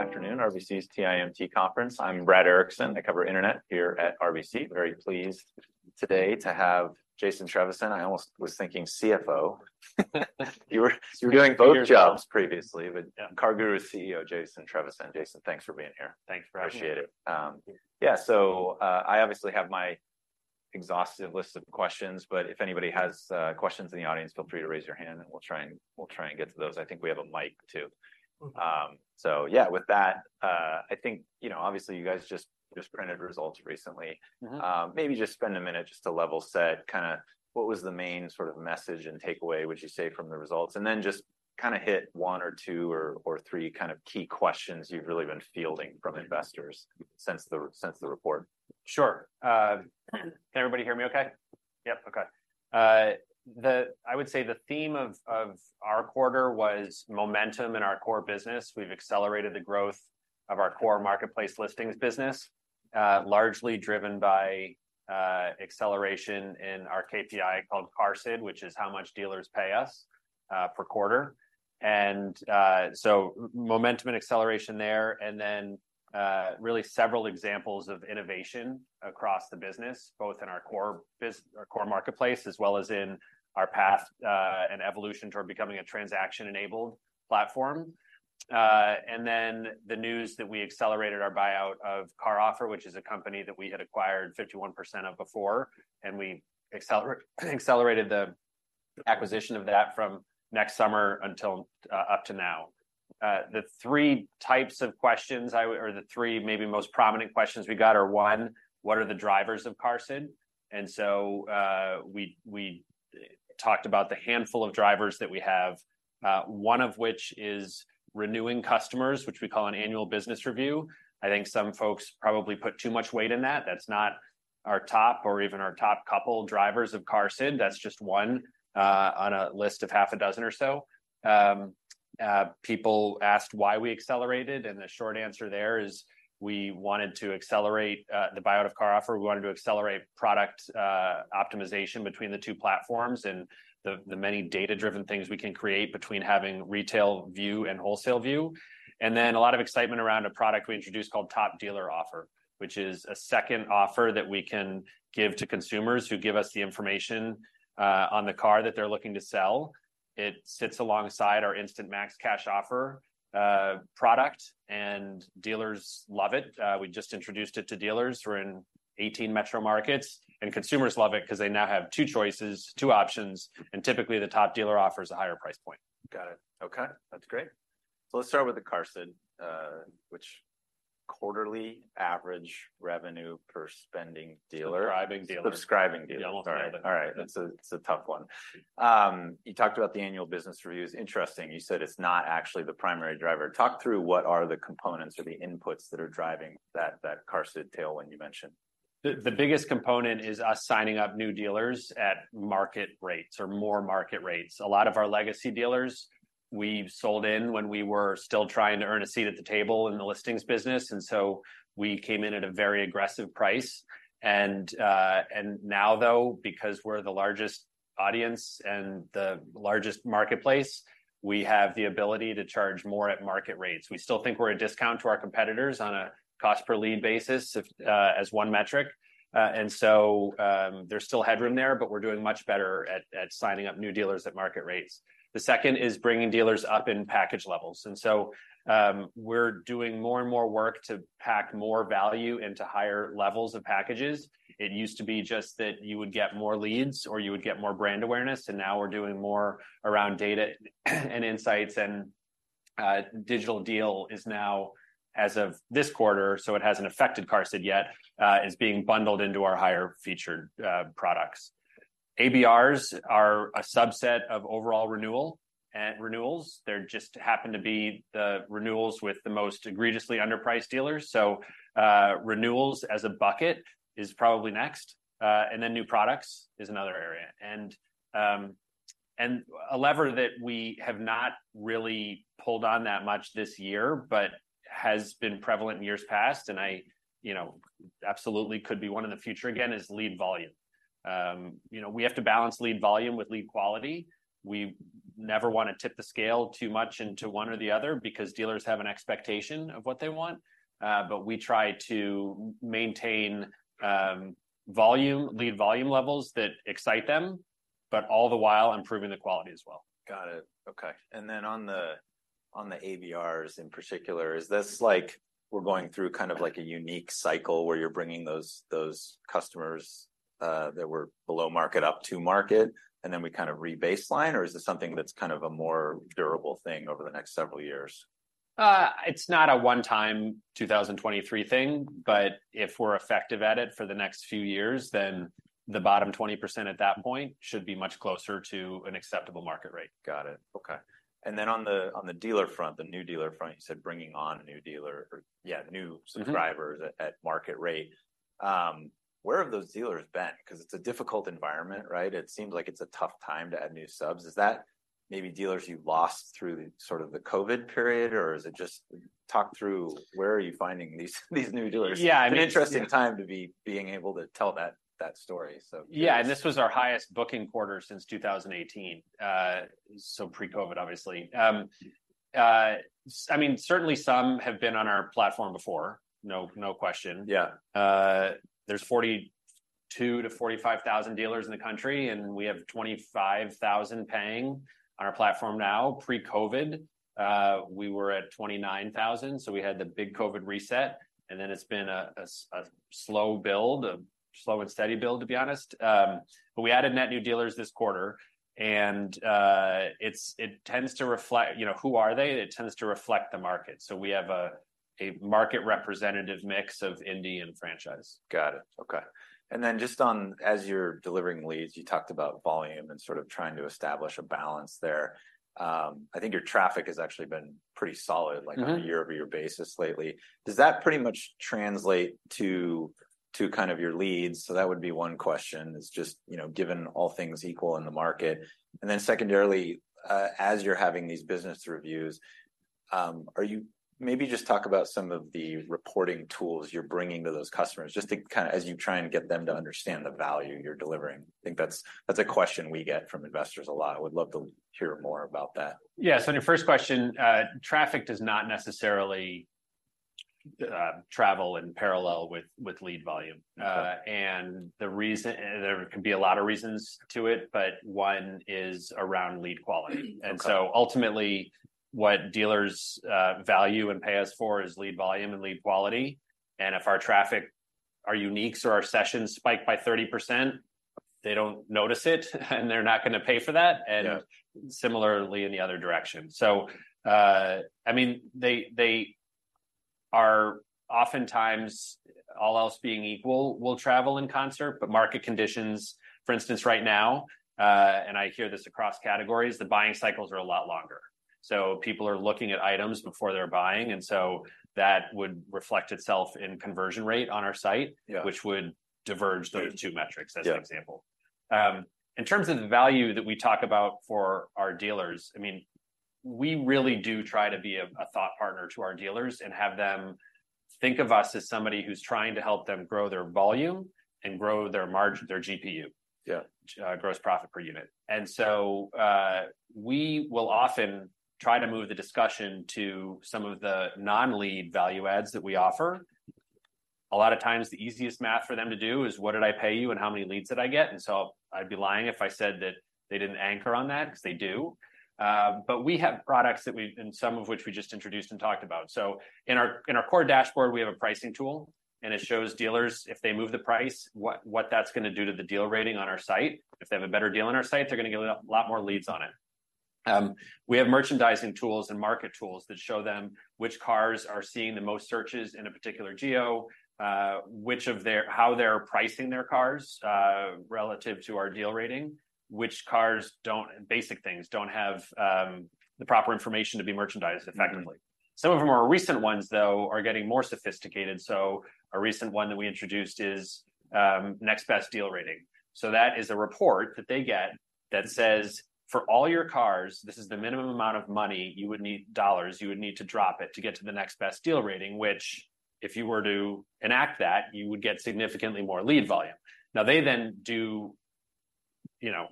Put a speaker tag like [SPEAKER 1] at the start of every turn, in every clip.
[SPEAKER 1] Good afternoon, RBC's TMT Conference. I'm Brad Erickson. I cover internet here at RBC. Very pleased today to have Jason Trevisan. I almost was thinking CFO. You were, you were doing both jobs previously-
[SPEAKER 2] Yeah.
[SPEAKER 1] CarGurus CEO, Jason Trevisan. Jason, thanks for being here.
[SPEAKER 2] Thanks for having me.
[SPEAKER 1] Appreciate it. Yeah, so, I obviously have my exhaustive list of questions, but if anybody has questions in the audience, feel free to raise your hand and we'll try and get to those. I think we have a mic, too.
[SPEAKER 2] Mm-hmm.
[SPEAKER 1] So yeah, with that, I think, you know, obviously, you guys just printed results recently.
[SPEAKER 2] Mm-hmm.
[SPEAKER 1] Maybe just spend a minute just to level set, kinda, what was the main sort of message and takeaway would you say from the results? And then just kinda hit one or two or, or three kind of key questions you've really been fielding from investors since the report.
[SPEAKER 2] Sure. Can everybody hear me okay? Yep, okay. I would say the theme of our quarter was momentum in our core business. We've accelerated the growth of our core marketplace listings business, largely driven by acceleration in our KPI called CARSID, which is how much dealers pay us per quarter. So momentum and acceleration there, and then really several examples of innovation across the business, both in our core marketplace, as well as in our path and evolution toward becoming a transaction-enabled platform. And then, the news that we accelerated our buyout of CarOffer, which is a company that we had acquired 51% of before, and we accelerated the acquisition of that from next summer until up to now. The three types of questions I would... or the three maybe most prominent questions we got are, one: what are the drivers of CARSID? And so, we talked about the handful of drivers that we have, one of which is renewing customers, which we call an annual business review. I think some folks probably put too much weight in that. That's not our top or even our top couple drivers of CARSID, that's just one, on a list of half a dozen or so. People asked why we accelerated, and the short answer there is, we wanted to accelerate the buyout of CarOffer. We wanted to accelerate product optimization between the two platforms and the many data-driven things we can create between having retail view and wholesale view. And then, a lot of excitement around a product we introduced called Top Dealer Offer, which is a second offer that we can give to consumers who give us the information on the car that they're looking to sell. It sits alongside our Instant Max Cash Offer product, and dealers love it. We just introduced it to dealers who are in 18 metro markets, and consumers love it 'cause they now have two choices, two options, and typically, the Top Dealer Offer is a higher price point.
[SPEAKER 1] Got it. Okay, that's great. So let's start with the CARSID, which quarterly average revenue per subscribing dealer-
[SPEAKER 2] Subscribing dealer.
[SPEAKER 1] Subscribing dealer.
[SPEAKER 2] Yeah, all right.
[SPEAKER 1] All right, that's a, it's a tough one. You talked about the annual business review. It's interesting, you said it's not actually the primary driver. Talk through what are the components or the inputs that are driving that, that CARSID tailwind you mentioned.
[SPEAKER 2] The biggest component is us signing up new dealers at market rates or more market rates. A lot of our legacy dealers, we've sold in when we were still trying to earn a seat at the table in the listings business, and so we came in at a very aggressive price. And now, though, because we're the largest audience and the largest marketplace, we have the ability to charge more at market rates. We still think we're a discount to our competitors on a cost per lead basis, if, as one metric, and so, there's still headroom there, but we're doing much better at signing up new dealers at market rates. The second is bringing dealers up in package levels. And so, we're doing more and more work to pack more value into higher levels of packages. It used to be just that you would get more leads or you would get more brand awareness, and now we're doing more around data and insights. And, Digital Deal is now, as of this quarter, so it hasn't affected CARSID yet, is being bundled into our higher featured products. ABRs are a subset of overall renewal and renewals. They're just happen to be the renewals with the most egregiously underpriced dealers. So, renewals, as a bucket, is probably next, and then new products is another area. And, and a lever that we have not really pulled on that much this year, but has been prevalent in years past, and you know, absolutely could be one in the future again, is lead volume. You know, we have to balance lead volume with lead quality. We never wanna tip the scale too much into one or the other because dealers have an expectation of what they want, but we try to maintain volume, lead volume levels that excite them, but all the while, improving the quality as well.
[SPEAKER 1] Got it. Okay. And then on the ABRs in particular, is this like we're going through kind of like a unique cycle, where you're bringing those customers that were below market up to market, and then we kind of re-baseline, or is this something that's kind of a more durable thing over the next several years?
[SPEAKER 2] It's not a one-time 2023 thing, but if we're effective at it for the next few years, then the bottom 20% at that point should be much closer to an acceptable market rate.
[SPEAKER 1] Got it. Okay. And then on the dealer front, the new dealer front, you said bringing on a new dealer, or yeah, new- subscribers at market rate. Where have those dealers been? 'Cause it's a difficult environment, right? It seems like it's a tough time to add new subs. Is that maybe dealers you've lost through sort of the COVID period, or is it just... Talk through where are you finding these new dealers?
[SPEAKER 2] Yeah, I mean-
[SPEAKER 1] An interesting time, being able to tell that story, so-
[SPEAKER 2] Yeah, and this was our highest booking quarter since 2018, so pre-COVID, obviously. I mean, certainly some have been on our platform before, no, no question.
[SPEAKER 1] Yeah.
[SPEAKER 2] There's 42 to 45,000 dealers in the country, and we have 25,000 paying on our platform now. Pre-COVID, we were at 29,000, so we had the big COVID reset, and then it's been a slow build, a slow and steady build, to be honest. But we added net new dealers this quarter, and it tends to reflect, you know, who are they? It tends to reflect the market. So we have a market representative mix of indie and franchise.
[SPEAKER 1] Got it. Okay. Then just on, as you're delivering leads, you talked about volume and sort of trying to establish a balance there. I think your traffic has actually been pretty solid- like, on a year-over-year basis lately. Does that pretty much translate to kind of your leads? So that would be one question is just, you know, given all things equal in the market. And then secondarily, as you're having these business reviews, are you maybe just talk about some of the reporting tools you're bringing to those customers, just to kind of... As you try and get them to understand the value you're delivering. I think that's, that's a question we get from investors a lot. I would love to hear more about that.
[SPEAKER 2] Yeah, so on your first question, traffic does not necessarily travel in parallel with lead volume.
[SPEAKER 1] Okay.
[SPEAKER 2] There can be a lot of reasons to it, but one is around lead quality.
[SPEAKER 1] Okay.
[SPEAKER 2] And so ultimately, what dealers value and pay us for is lead volume and lead quality. And if our traffic, our uniques or our sessions spike by 30%, they don't notice it, and they're not gonna pay for that-
[SPEAKER 1] Yeah...
[SPEAKER 2] and similarly in the other direction. So, I mean, they, they are oftentimes, all else being equal, will travel in concert, but market conditions, for instance, right now, and I hear this across categories, the buying cycles are a lot longer. So people are looking at items before they're buying, and so that would reflect itself in conversion rate on our site, which would diverge those two metrics-
[SPEAKER 1] Yeah...
[SPEAKER 2] as an example. In terms of the value that we talk about for our dealers, I mean, we really do try to be a, a thought partner to our dealers and have them think of us as somebody who's trying to help them grow their volume and grow their margin, their GPU.
[SPEAKER 1] Yeah.
[SPEAKER 2] Gross profit per unit. We will often try to move the discussion to some of the non-lead value adds that we offer. A lot of times, the easiest math for them to do is, "What did I pay you, and how many leads did I get?" I'd be lying if I said that they didn't anchor on that, because they do. But we have products that and some of which we just introduced and talked about. In our core dashboard, we have a pricing tool, and it shows dealers if they move the price what that's gonna do to the deal rating on our site. If they have a better deal on our site, they're gonna get a lot, lot more leads on it. We have merchandising tools and market tools that show them which cars are seeing the most searches in a particular Geo, which of their- how they're pricing their cars, relative to our deal rating. Which cars don't... basic things, don't have the proper information to be merchandised effectively.
[SPEAKER 1] Mm-hmm.
[SPEAKER 2] Some of our more recent ones, though, are getting more sophisticated. So a recent one that we introduced is Next Best Deal Rating. So that is a report that they get that says, "For all your cars, this is the minimum amount of money you would need- dollars you would need to drop it to get to the next best deal rating, which, if you were to enact that, you would get significantly more lead volume." Now, they then do, you know,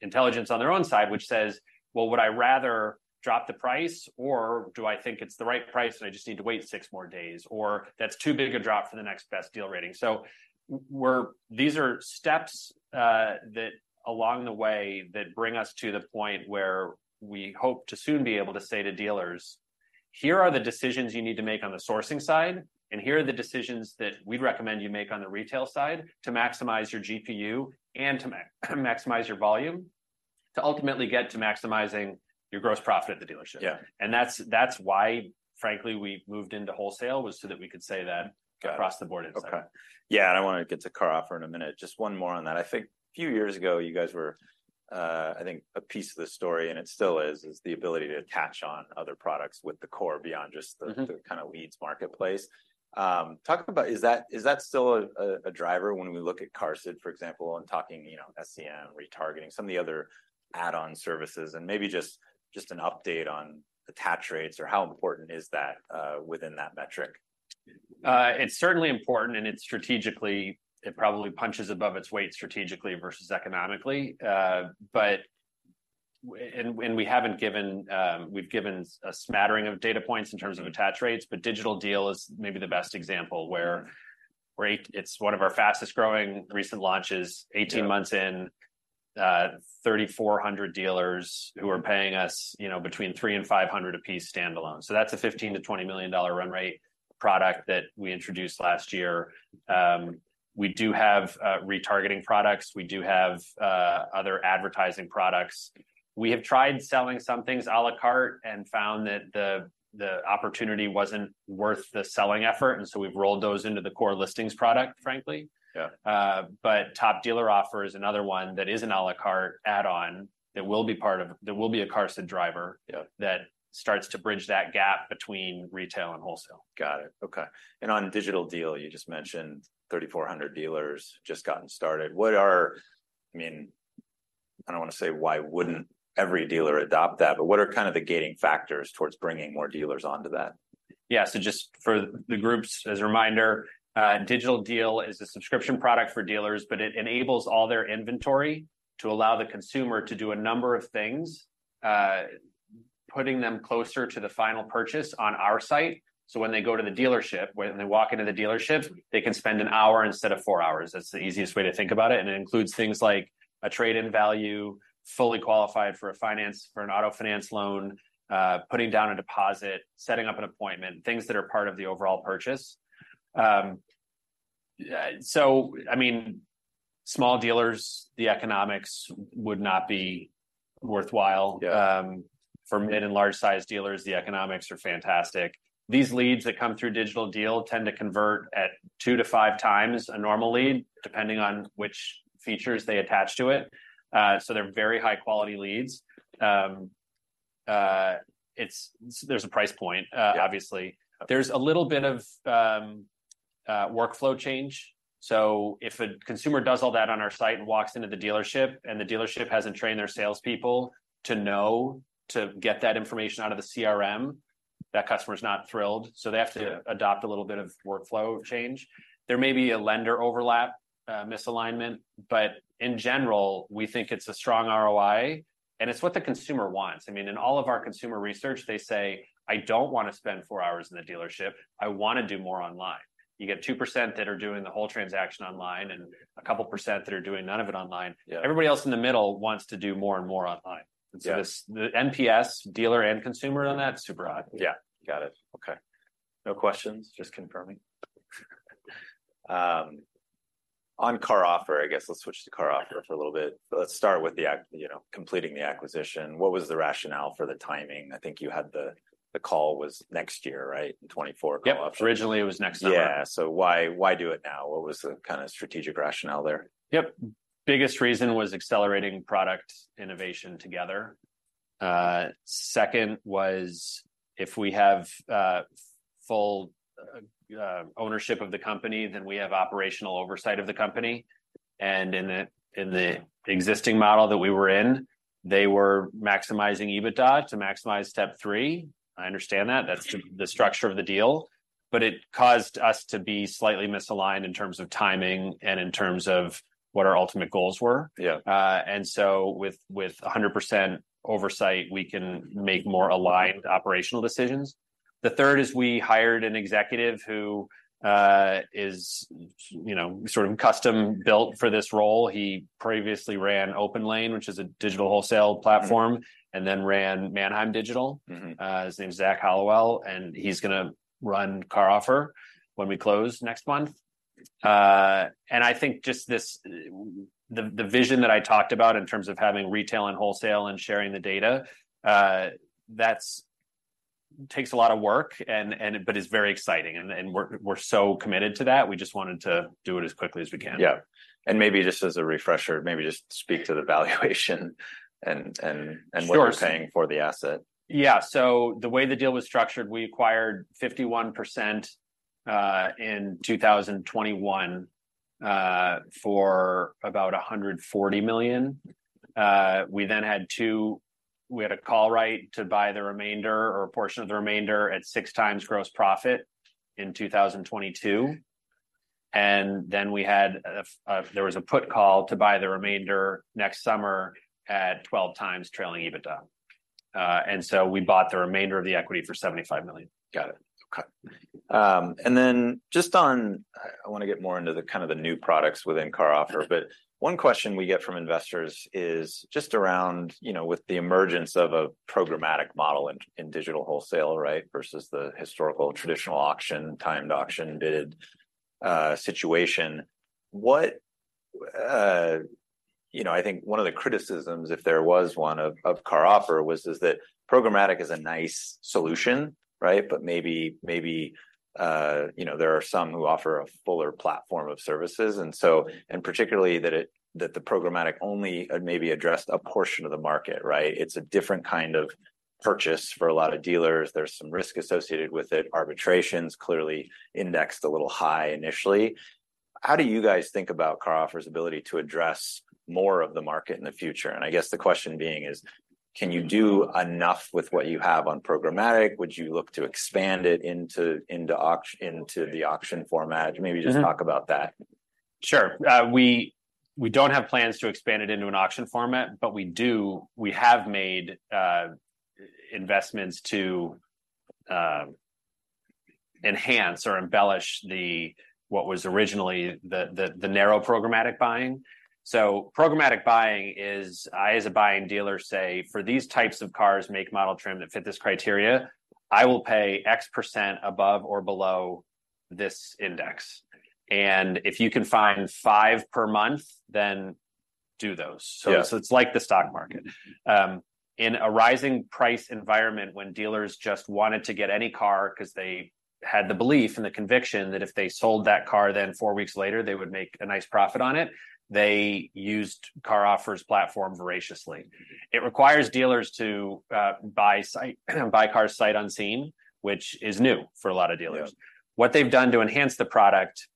[SPEAKER 2] intelligence on their own side, which says, "Well, would I rather drop the price, or do I think it's the right price and I just need to wait six more days? Or that's too big a drop for the Next Best Deal Rating." So we're—these are steps that along the way that bring us to the point where we hope to soon be able to say to dealers, "Here are the decisions you need to make on the sourcing side, and here are the decisions that we'd recommend you make on the retail side to maximize your GPU and to maximize your volume, to ultimately get to maximizing your gross profit at the dealership.
[SPEAKER 1] Yeah.
[SPEAKER 2] That's, that's why, frankly, we moved into wholesale, was so that we could say that-
[SPEAKER 1] Got it...
[SPEAKER 2] across the board inside.
[SPEAKER 1] Okay. Yeah, and I want to get to CarOffer in a minute. Just one more on that. I think a few years ago, you guys were, uh, I think, a piece of this story, and it still is, is the ability to attach on other products with the core beyond just the-
[SPEAKER 2] Mm-hmm...
[SPEAKER 1] the kind of leads marketplace. Talk about, is that still a driver when we look at CARSID, for example, and talking, you know, SEM, retargeting, some of the other add-on services, and maybe just an update on attach rates, or how important is that within that metric?
[SPEAKER 2] It's certainly important, and it's strategically - it probably punches above its weight strategically versus economically. But we haven't given... We've given a smattering of data points in terms of attach rates, but Digital Deal is maybe the best example, where, right, it's one of our fastest-growing recent launches.
[SPEAKER 1] Yeah.
[SPEAKER 2] 18 months in, 3,400 dealers who are paying us, you know, between $300 and $500 a piece standalone. So that's a $15 million-$20 million run rate product that we introduced last year. We do have retargeting products. We do have other advertising products. We have tried selling some things à la carte and found that the opportunity wasn't worth the selling effort, and so we've rolled those into the core listings product, frankly.
[SPEAKER 1] Yeah.
[SPEAKER 2] But Top Dealer Offer is another one that is an à la carte add-on, that will be part of- that will be a CARSID driver-
[SPEAKER 1] Yeah...
[SPEAKER 2] that starts to bridge that gap between retail and wholesale.
[SPEAKER 1] Got it. Okay. And on Digital Deal, you just mentioned 3,400 dealers, just gotten started. What are... I mean, I don't want to say why wouldn't every dealer adopt that, but what are kind of the gating factors towards bringing more dealers onto that?
[SPEAKER 2] Yeah, so just for the groups, as a reminder, Digital Deal is a subscription product for dealers, but it enables all their inventory to allow the consumer to do a number of things, putting them closer to the final purchase on our site. So when they go to the dealership, when they walk into the dealership, they can spend an hour instead of four hours. That's the easiest way to think about it, and it includes things like a trade-in value, fully qualified for a finance- for an auto finance loan, putting down a deposit, setting up an appointment, things that are part of the overall purchase. Yeah, so I mean, small dealers, the economics would not be worthwhile.
[SPEAKER 1] Yeah.
[SPEAKER 2] For mid and large-sized dealers, the economics are fantastic. These leads that come through Digital Deal tend to convert at two to five times a normal lead, depending on which features they attach to it. So they're very high-quality leads. There's a price point,
[SPEAKER 1] Yeah...
[SPEAKER 2] obviously. There's a little bit of workflow change. So if a consumer does all that on our site and walks into the dealership, and the dealership hasn't trained their salespeople to know to get that information out of the CRM, that customer is not thrilled.
[SPEAKER 1] Yeah.
[SPEAKER 2] So they have to adopt a little bit of workflow change. There may be a lender overlap, misalignment, but in general, we think it's a strong ROI, and it's what the consumer wants. I mean, in all of our consumer research, they say, "I don't want to spend four hours in the dealership. I want to do more online." You get 2% that are doing the whole transaction online, and a couple% that are doing none of it online.
[SPEAKER 1] Yeah.
[SPEAKER 2] Everybody else in the middle wants to do more and more online.
[SPEAKER 1] Yeah.
[SPEAKER 2] This, the NPS, dealer and consumer on that, super high.
[SPEAKER 1] Yeah, got it. Okay. No questions, just confirming. On CarOffer, I guess let's switch to CarOffer for a little bit. Let's start with the you know, completing the acquisition. What was the rationale for the timing? I think you had the, the call was next year, right? In 2024-
[SPEAKER 2] Yep...
[SPEAKER 1] CarOffer.
[SPEAKER 2] Originally, it was next summer.
[SPEAKER 1] Yeah. So why, why do it now? What was the kind of strategic rationale there?
[SPEAKER 2] Yep. Biggest reason was accelerating product innovation together. Second was, if we have full ownership of the company, then we have operational oversight of the company, and in the existing model that we were in, they were maximizing EBITDA to maximize step three. I understand that, that's the structure of the deal. But it caused us to be slightly misaligned in terms of timing and in terms of what our ultimate goals were.
[SPEAKER 1] Yeah.
[SPEAKER 2] With 100% oversight, we can make more aligned operational decisions. The third is, we hired an executive who is, you know, sort of custom-built for this role. He previously ran OPENLANE, which is a digital wholesale platform, and ten ran Manheim Digital.Mm.
[SPEAKER 1] Mm-hmm.
[SPEAKER 2] His name is Zach Hallowell, and he's gonna run CarOffer when we close next month. And I think just this, the vision that I talked about in terms of having retail and wholesale and sharing the data, that's takes a lot of work, but it's very exciting, and we're so committed to that. We just wanted to do it as quickly as we can.
[SPEAKER 1] Yeah. And maybe just as a refresher, maybe just speak to the valuation and what you're paying for the asset.
[SPEAKER 2] Yeah, so the way the deal was structured, we acquired 51% in 2021 for about $140 million. We then had a call right to buy the remainder or a portion of the remainder at 6 times gross profit in 2022.
[SPEAKER 1] Yeah.
[SPEAKER 2] And then there was a put call to buy the remainder next summer at 12 times trailing EBITDA. And so we bought the remainder of the equity for $75 million.
[SPEAKER 1] Got it. Okay. And then just on... I want to get more into the kind of the new products within CarOffer.
[SPEAKER 2] Mm-hmm.
[SPEAKER 1] But one question we get from investors is just around, you know, with the emergence of a programmatic model in digital wholesale, right, versus the historical traditional auction, timed auction bid, situation. What... You know, I think one of the criticisms, if there was one, of CarOffer was, is that programmatic is a nice solution, right? But maybe, you know, there are some who offer a fuller platform of services, and particularly, that the programmatic only, maybe addressed a portion of the market, right? It's a different kind of purchase for a lot of dealers. There's some risk associated with it. Arbitrations clearly indexed a little high initially. How do you guys think about CarOffer's ability to address more of the market in the future? And I guess the question being is: Can you do enough with what you have on programmatic? Would you look to expand it into the auction format?
[SPEAKER 2] Mm-hmm.
[SPEAKER 1] Maybe just talk about that.
[SPEAKER 2] Sure. We don't have plans to expand it into an auction format, but we have made investments to enhance or embellish the what was originally the narrow programmatic buying. So programmatic buying is, I as a buying dealer say, "For these types of cars, make, model, trim that fit this criteria, I will pay X% above or below this index. And if you can find five per month, then do those.
[SPEAKER 1] Yeah.
[SPEAKER 2] So it's like the stock market. In a rising price environment, when dealers just wanted to get any car because they had the belief and the conviction that if they sold that car, then four weeks later, they would make a nice profit on it, they used CarOffer's platform voraciously.
[SPEAKER 1] Mm-hmm.
[SPEAKER 2] It requires dealers to buy cars sight unseen, which is new for a lot of dealers.
[SPEAKER 1] Yeah.
[SPEAKER 2] What they've done to enhance the product,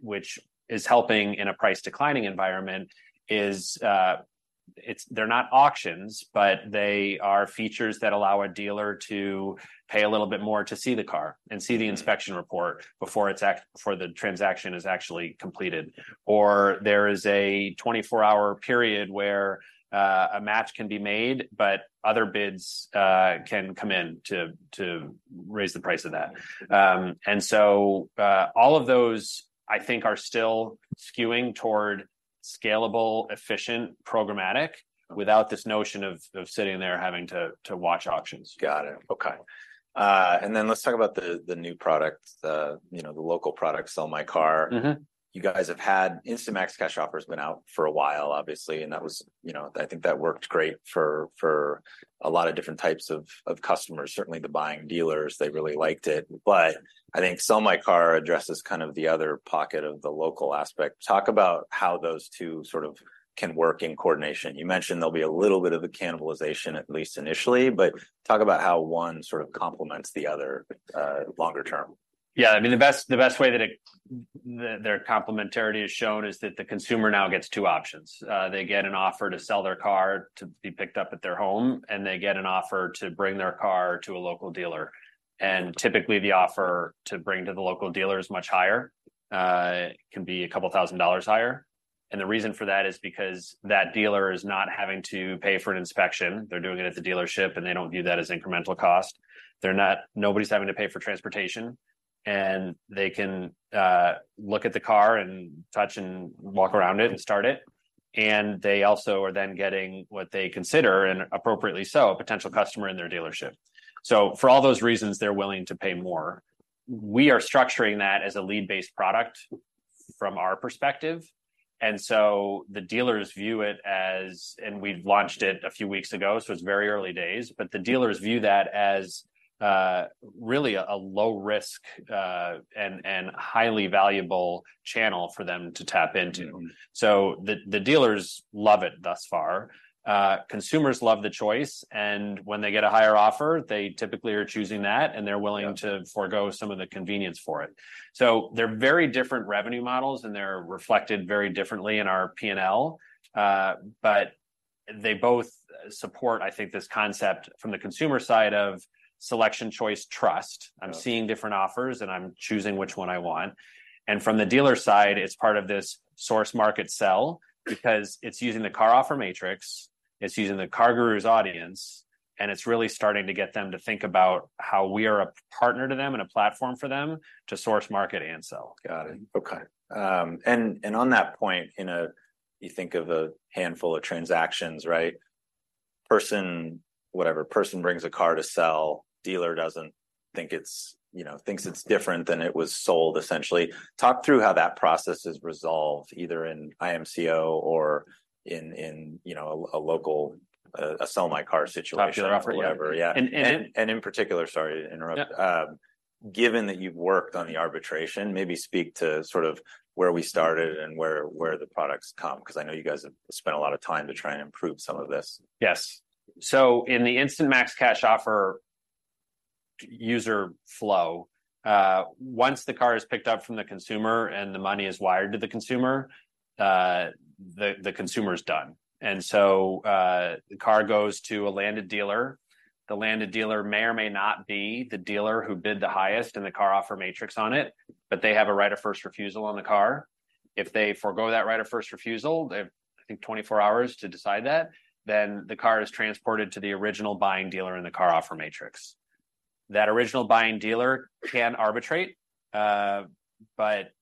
[SPEAKER 2] which is helping in a price-declining environment, is they're not auctions, but they are features that allow a dealer to pay a little bit more to see the car, and see the inspection report before the transaction is actually completed. Or there is a 24-hour period where a match can be made, but other bids can come in to raise the price of that. And so all of those, I think, are still skewing toward scalable, efficient, programmatic without this notion of sitting there having to watch auctions.
[SPEAKER 1] Got it. Okay. And then let's talk about the new product, you know, the local product, Sell My Car.
[SPEAKER 2] Mm-hmm.
[SPEAKER 1] You guys have had Instant Max Cash Offer has been out for a while, obviously, and that was... You know, I think that worked great for, for a lot of different types of, of customers. Certainly, the buying dealers, they really liked it. But, I think Sell My Car addresses kind of the other pocket of the local aspect. Talk about how those two sort of can work in coordination. You mentioned there'll be a little bit of a cannibalization, at least initially, but talk about how one sort of complements the other, longer term.
[SPEAKER 2] Yeah, I mean, the best way that their complementarity is shown is that the consumer now gets two options. They get an offer to sell their car to be picked up at their home, and they get an offer to bring their car to a local dealer. And typically, the offer to bring to the local dealer is much higher, can be a couple thousand dollars higher. And the reason for that is because that dealer is not having to pay for an inspection. They're doing it at the dealership, and they don't view that as incremental cost. They're not having to pay for transportation, and they can look at the car, and touch and walk around it.
[SPEAKER 1] Mm.
[SPEAKER 2] and start it. They also are then getting what they consider, and appropriately so, a potential customer in their dealership. So for all those reasons, they're willing to pay more. We are structuring that as a lead-based product from our perspective, and so the dealers view it as... We've launched it a few weeks ago, so it's very early days, but the dealers view that as really a low risk and highly valuable channel for them to tap into.
[SPEAKER 1] Mm-hmm.
[SPEAKER 2] So the dealers love it thus far. Consumers love the choice, and when they get a higher offer, they typically are choosing that, and they're willing-
[SPEAKER 1] Yeah...
[SPEAKER 2] to forego some of the convenience for it. So they're very different revenue models, and they're reflected very differently in our P&L. But they both support, I think, this concept from the consumer side of selection, choice, trust.
[SPEAKER 1] Yeah.
[SPEAKER 2] I'm seeing different offers, and I'm choosing which one I want. And from the dealer side, it's part of this source-market sell, because it's using the CarOffer matrix, it's using the CarGurus audience, and it's really starting to get them to think about how we are a partner to them and a platform for them to source, market, and sell.
[SPEAKER 1] Got it. Okay. And on that point, you know, you think of a handful of transactions, right? Person, whatever. Person brings a car to sell, dealer doesn't think it's... You know, thinks it's different than it was sold, essentially. Talk through how that process is resolved, either in IMCO or in, you know, a local Sell My Car situation-
[SPEAKER 2] Popular offer?
[SPEAKER 1] or whatever. Yeah.
[SPEAKER 2] And, and-
[SPEAKER 1] in particular... Sorry to interrupt.
[SPEAKER 2] Yeah.
[SPEAKER 1] Given that you've worked on the arbitration, maybe speak to sort of where we started and where the products come, because I know you guys have spent a lot of time to try and improve some of this.
[SPEAKER 2] Yes. So in the Instant Max Cash Offer user flow, once the car is picked up from the consumer and the money is wired to the consumer, the consumer is done. And so, the car goes to a landed dealer. The landed dealer may or may not be the dealer who bid the highest in the CarOffer matrix on it, but they have a right of first refusal on the car. If they forego that right of first refusal, they have, I think, 24 hours to decide that, then the car is transported to the original buying dealer in the CarOffer matrix. That original buying dealer can arbitrate, but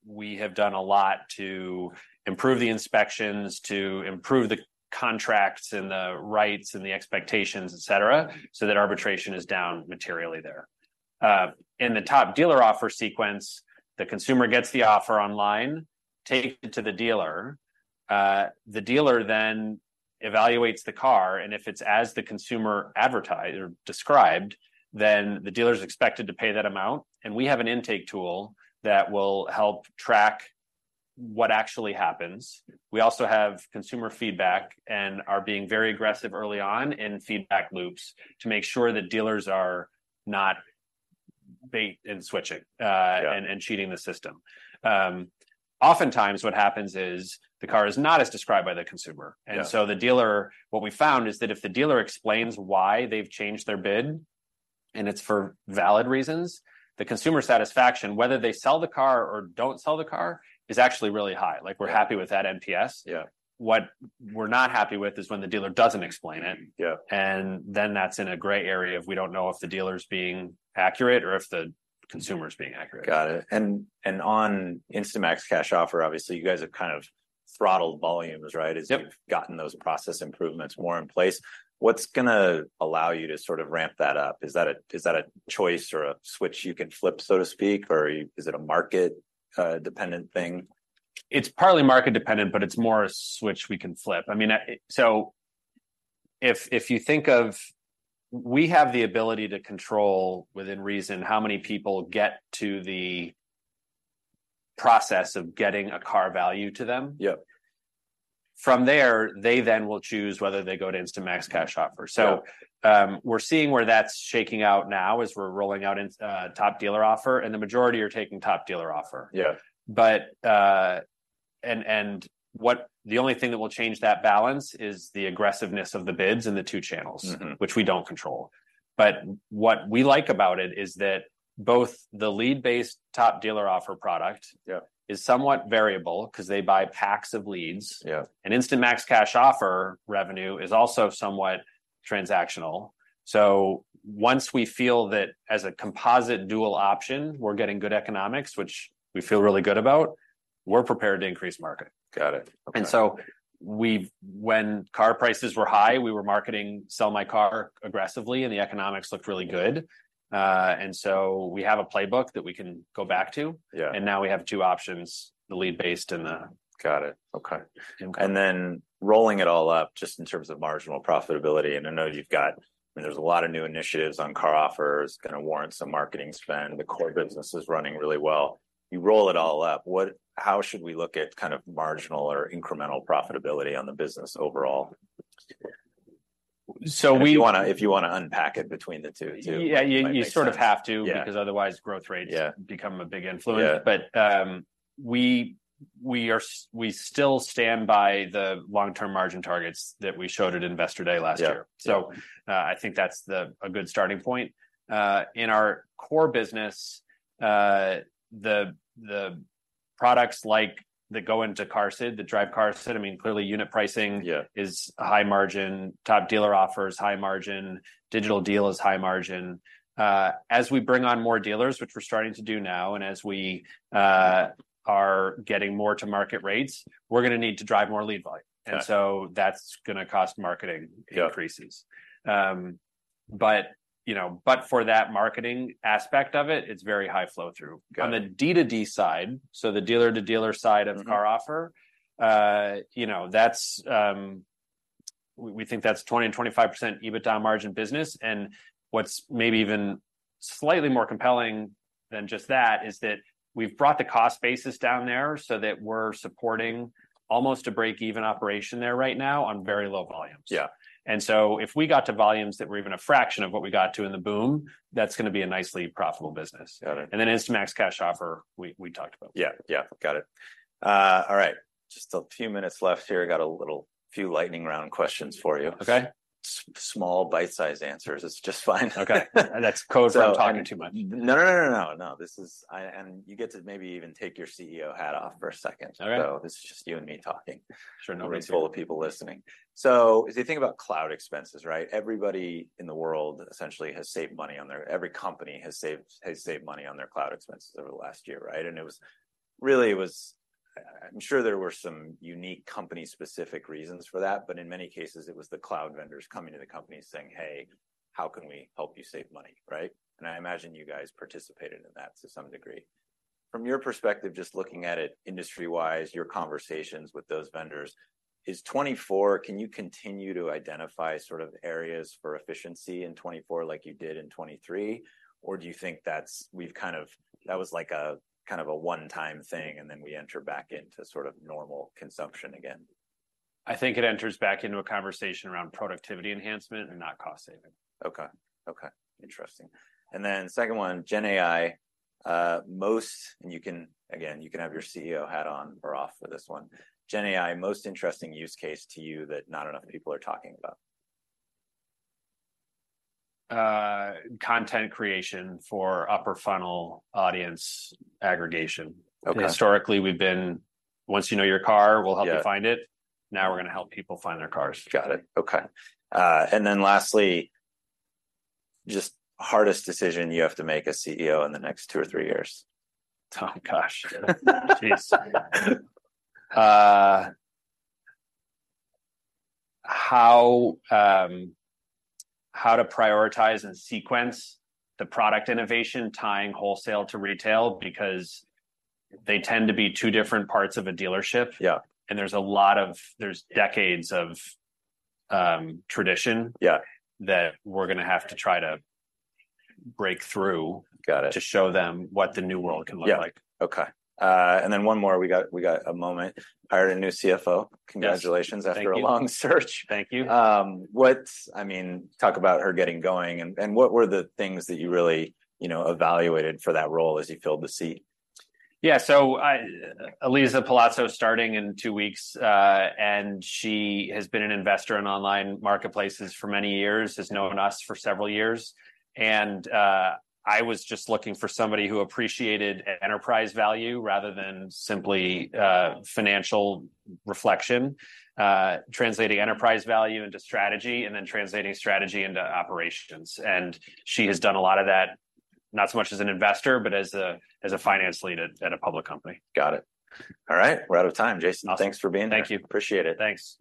[SPEAKER 2] we have done a lot to improve the inspections, to improve the contracts, and the rights, and the expectations, et cetera, so that arbitration is down materially there. In the Top Dealer Offer sequence, the consumer gets the offer online, take it to the dealer. The dealer then evaluates the car, and if it's as the consumer advertised or described, then the dealer is expected to pay that amount, and we have an intake tool that will help track what actually happens. We also have consumer feedback, and are being very aggressive early on in feedback loops to make sure that dealers are not bait and switching-
[SPEAKER 1] Yeah...
[SPEAKER 2] and cheating the system. Oftentimes, what happens is the car is not as described by the consumer.
[SPEAKER 1] Yeah.
[SPEAKER 2] And so what we found is that if the dealer explains why they've changed their bid, and it's for valid reasons, the consumer satisfaction, whether they sell the car or don't sell the car, is actually really high.
[SPEAKER 1] Yeah.
[SPEAKER 2] Like, we're happy with that NPS.
[SPEAKER 1] Yeah.
[SPEAKER 2] What we're not happy with is when the dealer doesn't explain it.
[SPEAKER 1] Mm-hmm. Yeah.
[SPEAKER 2] And then that's in a gray area of we don't know if the dealer's being accurate or if the consumer's being accurate.
[SPEAKER 1] Got it. And on Instant Max Cash Offer, obviously, you guys have kind of throttled volumes, right?
[SPEAKER 2] Yep.
[SPEAKER 1] As you've gotten those process improvements more in place, what's gonna allow you to sort of ramp that up? Is that a, is that a choice or a switch you can flip, so to speak, or is it a market dependent thing?
[SPEAKER 2] It's partly market dependent, but it's more a switch we can flip. I mean, so if you think of... We have the ability to control, within reason, how many people get to the process of getting a car value to them.
[SPEAKER 1] Yep.
[SPEAKER 2] From there, they then will choose whether they go to Instant Max Cash Offer.
[SPEAKER 1] Yeah.
[SPEAKER 2] So, we're seeing where that's shaking out now, as we're rolling out in Top Dealer Offer, and the majority are taking Top Dealer Offer.
[SPEAKER 1] Yeah.
[SPEAKER 2] But, the only thing that will change that balance is the aggressiveness of the bids in the two channels.
[SPEAKER 1] Mm-hmm.
[SPEAKER 2] -which we don't control. But what we like about it is that both the lead-based Top Dealer Offer product-
[SPEAKER 1] Yeah...
[SPEAKER 2] is somewhat variable, 'cause they buy packs of leads.
[SPEAKER 1] Yeah.
[SPEAKER 2] Instant Max Cash Offer revenue is also somewhat transactional. So once we feel that as a composite dual option, we're getting good economics, which we feel really good about, we're prepared to increase market.
[SPEAKER 1] Got it. Okay.
[SPEAKER 2] When car prices were high, we were marketing Sell My Car aggressively, and the economics looked really good. We have a playbook that we can go back to.
[SPEAKER 1] Yeah.
[SPEAKER 2] And now we have two options, the lead-based and the-
[SPEAKER 1] Got it. Okay.
[SPEAKER 2] Mm-hmm.
[SPEAKER 1] Then rolling it all up, just in terms of marginal profitability, and I know you've got... I mean, there's a lot of new initiatives on CarOffer, gonna warrant some marketing spend.
[SPEAKER 2] Mm-hmm.
[SPEAKER 1] The core business is running really well. You roll it all up, how should we look at kind of marginal or incremental profitability on the business overall?
[SPEAKER 2] So we-
[SPEAKER 1] If you wanna, if you wanna unpack it between the two, too.
[SPEAKER 2] Yeah. You sort of have to-
[SPEAKER 1] Yeah...
[SPEAKER 2] because otherwise growth rates become a big influence.
[SPEAKER 1] Yeah
[SPEAKER 2] But, we still stand by the long-term margin targets that we showed at Investor Day last year.
[SPEAKER 1] Yeah. Yeah.
[SPEAKER 2] So, I think that's a good starting point. In our core business, the products like that go into CARSID, that drive CARSID, I mean, clearly unit pricing, is high margin, Top Dealer Offer is high margin, Digital Deal is high margin. As we bring on more dealers, which we're starting to do now, and as we are getting more to market rates, we're gonna need to drive more lead volume.
[SPEAKER 1] Yeah.
[SPEAKER 2] That's gonna cost marketing increases.
[SPEAKER 1] Yeah.
[SPEAKER 2] But you know, but for that marketing aspect of it, it's very high flow through.
[SPEAKER 1] Got it.
[SPEAKER 2] On the D-to-D side, so the dealer-to-dealer side of CarOffer, you know, that's, we, we think that's 20%-25% EBITDA margin business. What's maybe even slightly more compelling than just that is that we've brought the cost basis down there so that we're supporting almost a break-even operation there right now on very low volumes.
[SPEAKER 1] Yeah.
[SPEAKER 2] And so if we got to volumes that were even a fraction of what we got to in the boom, that's gonna be a nicely profitable business.
[SPEAKER 1] Got it.
[SPEAKER 2] Then Instant Max Cash Offer, we talked about.
[SPEAKER 1] Yeah. Yeah. Got it. All right. Just a few minutes left here. I got a little, few lightning round questions for you.
[SPEAKER 2] Okay.
[SPEAKER 1] Small, bite-sized answers. It's just fine.
[SPEAKER 2] Okay. And that's code for-
[SPEAKER 1] So-
[SPEAKER 2] talking too much.
[SPEAKER 1] No, no, no, no, no. This is... And you get to maybe even take your CEO hat off for a second.
[SPEAKER 2] All right.
[SPEAKER 1] This is just you and me talking.
[SPEAKER 2] Sure. No worries.
[SPEAKER 1] A room full of people listening. So as you think about cloud expenses, right? Everybody in the world essentially has saved money on their... Every company has saved, has saved money on their cloud expenses over the last year, right? And it was, really it was, I'm sure there were some unique company-specific reasons for that, but in many cases, it was the cloud vendors coming to the company saying, "Hey, how can we help you save money?" Right? And I imagine you guys participated in that to some degree. From your perspective, just looking at it industry-wise, your conversations with those vendors, is 2024, can you continue to identify sort of areas for efficiency in 2024, like you did in 2023? Or do you think that's, we've kind of, that was like a kind of a one-time thing, and then we enter back into sort of normal consumption again?
[SPEAKER 2] I think it enters back into a conversation around productivity enhancement and not cost saving.
[SPEAKER 1] Okay. Okay, interesting. And then second one, GenAI, most, and you can, again, you can have your CEO hat on or off for this one. GenAI, most interesting use case to you that not enough people are talking about?
[SPEAKER 2] Content creation for upper funnel audience aggregation.
[SPEAKER 1] Okay.
[SPEAKER 2] Historically, we've been. Once you know your car, we'll help you find it. Now we're gonna help people find their cars.
[SPEAKER 1] Got it. Okay. And then lastly, just hardest decision you have to make as CEO in the next two or three years?
[SPEAKER 2] Oh, gosh. Geez! How to prioritize and sequence the product innovation tying wholesale to retail, because they tend to be two different parts of a dealership?
[SPEAKER 1] Yeah.
[SPEAKER 2] There's a lot of decades of tradition-
[SPEAKER 1] Yeah...
[SPEAKER 2] that we're gonna have to try to break through-
[SPEAKER 1] Got it...
[SPEAKER 2] to show them what the new world can look like.
[SPEAKER 1] Yeah. Okay. And then one more. We got a moment. Hired a new CFO.
[SPEAKER 2] Yes.
[SPEAKER 1] Congratulations-
[SPEAKER 2] Thank you...
[SPEAKER 1] after a long search.
[SPEAKER 2] Thank you.
[SPEAKER 1] I mean, talk about her getting going, and what were the things that you really, you know, evaluated for that role as you filled the seat?
[SPEAKER 2] Yeah. So, Elisa Palazzo is starting in two weeks, and she has been an investor in online marketplaces for many years, has known us for several years. And, I was just looking for somebody who appreciated enterprise value rather than simply financial reflection. Translating enterprise value into strategy, and then translating strategy into operations. And she has done a lot of that, not so much as an investor, but as a finance lead at a public company.
[SPEAKER 1] Got it. All right, we're out of time, Jason.
[SPEAKER 2] Awesome.
[SPEAKER 1] Thanks for being here.
[SPEAKER 2] Thank you.
[SPEAKER 1] Appreciate it.
[SPEAKER 2] Thanks.